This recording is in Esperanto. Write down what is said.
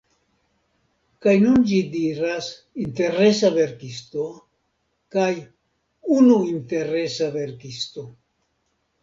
Kaj nun ĝi diras "interesa verkisto" kaj "unu interesa verkisto"